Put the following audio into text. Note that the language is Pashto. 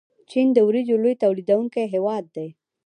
چین د وریجو لوی تولیدونکی هیواد دی.